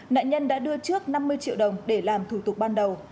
nạn nhân đã đưa trước năm mươi triệu đồng để làm thủ tục ban đầu